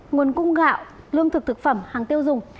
nguồn cung gạo lương thực thực phẩm hàng tiêu dùng